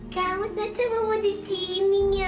kamu ternyata mau di sini ya